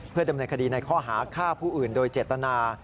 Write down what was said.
เพื่อดำเนื้อคดีในค่อหาค่าผู้อื่นโดยเจษฐนา